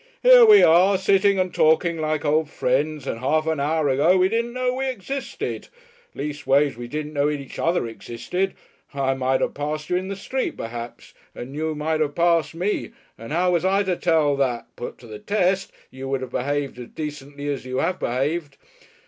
"Here we are, sitting and talking like old friends, and half an hour ago we didn't know we existed. Leastways we didn't know each other existed. I might have passed you in the street perhaps and you might have passed me, and how was I to tell that, put to the test, you would have behaved as decently as you have behaved.